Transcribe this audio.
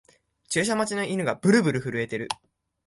注射待ちの犬がブルブル震えてる